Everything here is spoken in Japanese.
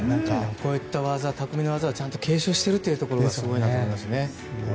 こういった匠の技をちゃんと継承しているというところがすごいなと思いますね。